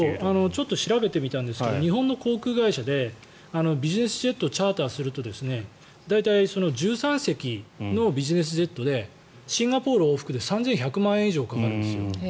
ちょっと調べてみたんですけど日本の航空会社でビジネスジェットをチャーターすると大体、１３席のビジネスジェットでシンガポール往復で３１００万円以上かかるんです。